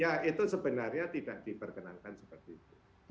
ya itu sebenarnya tidak diperkenankan seperti itu